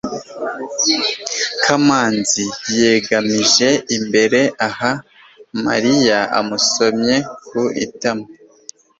kamanzi yegamiye imbere aha mariya umusomyi ku itama